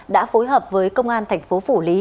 đã phối hợp với công an thành phố phủ lý